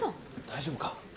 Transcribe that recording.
大丈夫か？